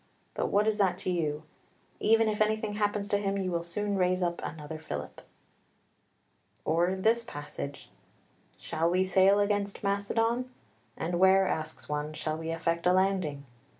But what is that to you? Even if anything happens to him you will soon raise up another Philip." Or this passage: "Shall we sail against Macedon? And where, asks one, shall we effect a landing?